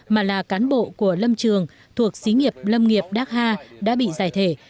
mà là cán bộ của lâm trường thuộc xí nghiệp lâm nghiệp đắc hà đã bị giải thể